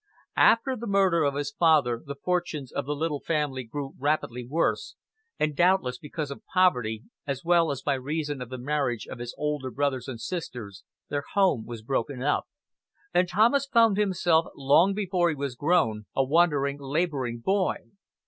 After the murder of his father the fortunes of the little family grew rapidly worse, and doubtless because of poverty, as well as by reason of the marriage of his older brothers and sisters, their home was broken up, and Thomas found himself, long before he was grown, a wandering laboring boy.